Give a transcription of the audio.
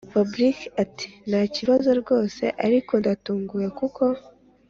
fabric ati”ntakibazo rwose ariko ndatunguwe kuko